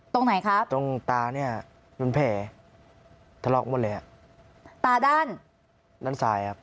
ตรงไหนครับ